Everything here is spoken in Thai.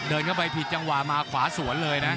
เดินเข้าไปผิดจังหวะมาขวาสวนเลยนะ